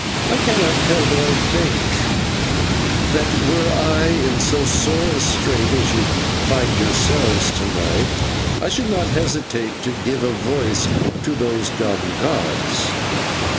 I cannot tell, but I think that were I in so sore a strait as you find yourselves to night, I should not hesitate to give a voice to these dumb gods."